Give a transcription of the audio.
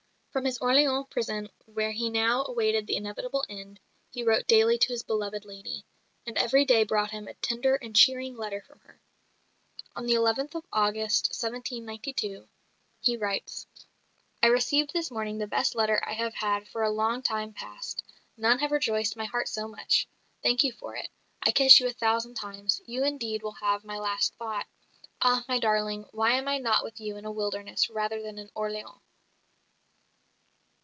From his Orleans prison, where he now awaited the inevitable end, he wrote daily to his beloved lady; and every day brought him a tender and cheering letter from her. On 11th August, 1792, he writes: "I received this morning the best letter I have had for a long time past; none have rejoiced my heart so much. Thank you for it. I kiss you a thousand times. You indeed will have my last thought. Ah, my darling, why am I not with you in a wilderness rather than in Orleans?"